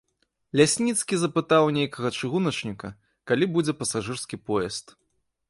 Лясніцкі запытаў у нейкага чыгуначніка, калі будзе пасажырскі поезд.